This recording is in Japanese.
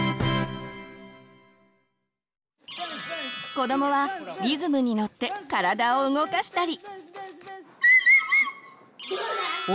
子どもはリズムにのって体を動かしたり。